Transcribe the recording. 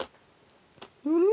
うん！